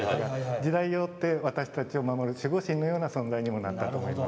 時代を追って私たちを守る守護神のような存在になったと思います。